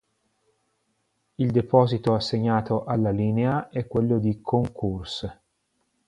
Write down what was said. Il deposito assegnato alla linea è quello di Concourse.